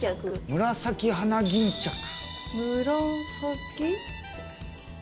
ムラサキハナギンチャク。